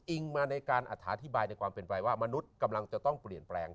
อิงมาในการอธิบายในความเป็นไปว่ามนุษย์กำลังจะต้องเปลี่ยนแปลง